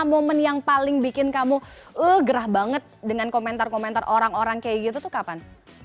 momen yang paling bikin kamu gerah banget dengan komentar komentar orang orang kayak gitu tuh kapan